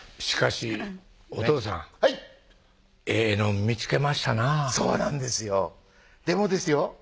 しかしお父さんはいええのん見つけましたなぁそうなんですよでもですよ